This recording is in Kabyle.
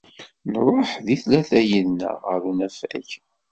Nṛuḥ deg tlata yid-neɣ ɣer unafag.